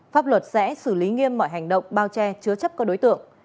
pháp luật sẽ xử lý nghiêm mọi hành động bao che chứa chấp các đối tượng